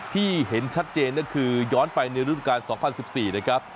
ที่เห็นชัดเจนก็คือย้อนไปในฤดูการ๒๐๑๔นะครับ